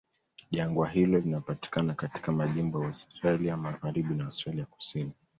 Jangwa hilo linapatikana katika majimbo ya Australia Magharibi na Australia Kusini.